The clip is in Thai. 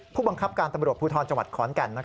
ผู้บังคับการตำรวจภูทรจังหวัดขอนแก่น